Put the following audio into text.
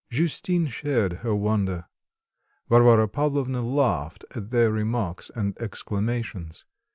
Justine shared her wonder. Varvara Pavlovna laughed at their remarks and exclamations.